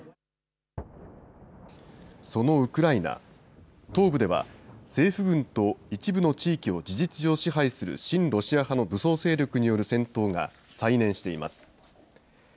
東部では、政府軍と一部の地域を事実上支配する親ロシア派の武装勢力による戦闘が再燃しています。